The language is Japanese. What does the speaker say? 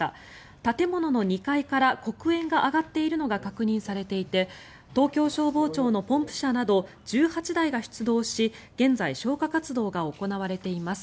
建物の２階から黒煙が上がっているのが確認されていて東京消防庁のポンプ車など１８台が出動し現在消火活動が行われています。